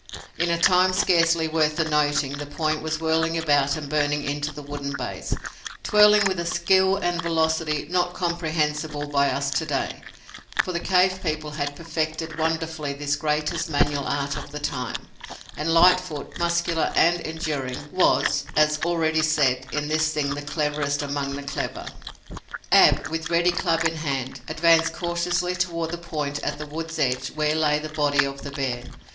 In a time scarcely worth the noting the point was whirling about and burning into the wooden base, twirling with a skill and velocity not comprehensible by us to day, for the cave people had perfected wonderfully this greatest manual art of the time, and Lightfoot, muscular and enduring, was, as already said, in this thing the cleverest among the clever. Ab, with ready club in hand, advanced cautiously toward the point at the wood's edge where lay the body of the bear.